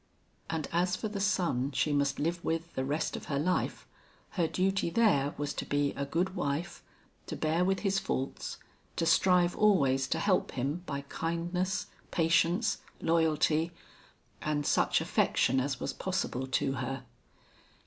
And as for the son she must live with the rest of her life, her duty there was to be a good wife, to bear with his faults, to strive always to help him by kindness, patience, loyalty, and such affection as was possible to her.